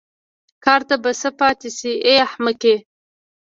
کار ته به څه پاتې شي ای احمقې.